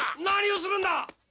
何をするんだ！